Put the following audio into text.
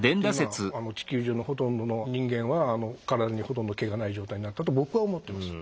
今地球上のほとんどの人間は体にほとんど毛がない状態になったと僕は思ってます。